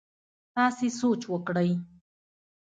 تاسي سوچ وکړئ!